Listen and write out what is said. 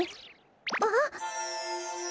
あっ！